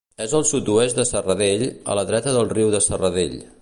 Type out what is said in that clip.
És al sud-oest de Serradell, a la dreta del riu de Serradell.